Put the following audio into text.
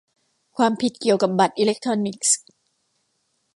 ความผิดเกี่ยวกับบัตรอิเล็กทรอนิกส์